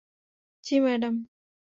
জি, madam.